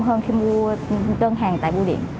hơn khi mua đơn hàng tại bua điện